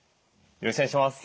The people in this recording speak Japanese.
よろしくお願いします。